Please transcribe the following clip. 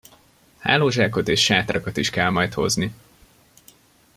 Hálózsákot és sátrakat is kell majd hozni.